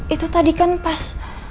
itu tadi kan pas